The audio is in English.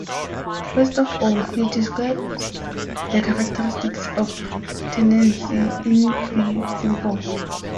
First of all, he describes the characteristics of tenancy in fee simple.